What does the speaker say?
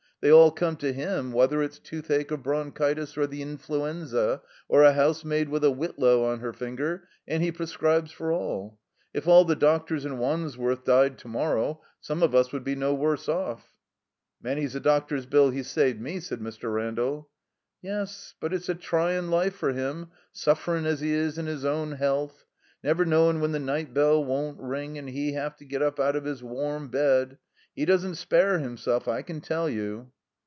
They all come to Him, whether it's toothache or brondiitis or the influenza, or a housemaid with a whitlow on her finger, and He prescribes for all. If all the doctors in Wandsworth died to morrow some of us would be no worse off." "Many's the doctor's bill he's saved me," said Mr. Randall. "Yes, but it's a trsrin' life for Him, suflFerin' as He is in 'is own 'ealth. Never knowin' when the night bell won't ring, and He have to get up out of his SI THE COMBINED MAZE warm bed. He doesn't spare Himself, I can tell you."